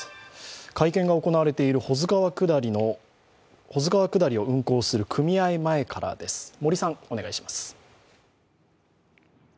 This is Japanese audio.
会見が行われている保津川下りを運航する組合前からです、森さん、お願いします。